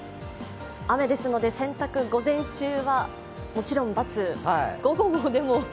雨ですので洗濯、午前中はもちろん×、午後も、でも。